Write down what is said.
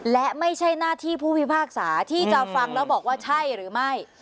และไม่ใช่หน้าที่ผู้พิพากษาที่จะฟังแล้วบอกว่าใช่หรือไม่